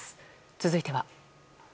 続いては。